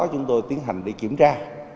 chúng tôi tiến hành đi kiểm tra